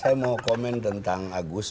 saya mau komen tentang agus